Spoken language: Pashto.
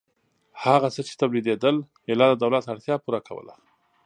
هغه څه چې تولیدېدل ایله د دولت اړتیا پوره کوله